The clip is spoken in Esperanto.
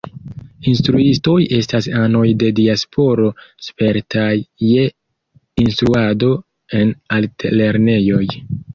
Instruistoj estas anoj de diasporo spertaj je instruado en altlernejoj.